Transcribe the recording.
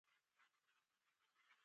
یوې برخې ته کار روزګار پيدا شي.